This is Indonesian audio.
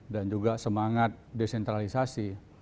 dan juga semangat desentralisasi